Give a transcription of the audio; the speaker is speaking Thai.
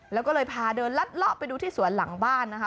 แล้วก็เลยพาเดินลัดเลาะไปดูที่สวนหลังบ้านนะคะ